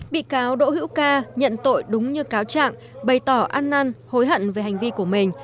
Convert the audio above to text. bị cáo đỗ hữu ca nhận tội đúng như cáo trạng bày tỏ ăn năn hối hận về hành vi của mình